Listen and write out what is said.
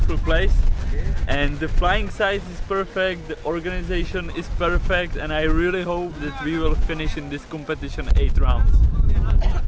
dan ukuran pelan pelan ini sempurna organisasi ini sempurna dan saya berharap kita akan selesai delapan perang ini